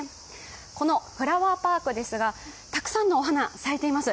このフラワーパークですがたくさんのお花、咲いています。